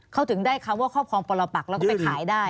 เขาถึงได้คำว่าครอบครองปรปักแล้วก็ไปขายได้